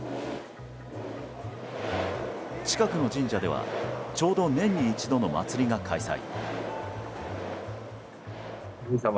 近くの神社ではちょうど年に一度の祭りが開催。